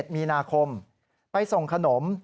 ๑มีนาคมไปส่งขนม